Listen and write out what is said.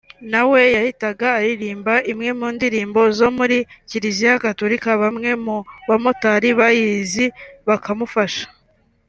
» Na we yahitaga aririmba imwe mu ndirimbo zo muri kiriziya gaturika bamwe mu bamotari bayizi bakamufasha